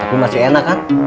tapi masih enak kang